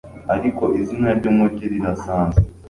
Ariko izina ry'umujyi rirasanzwe.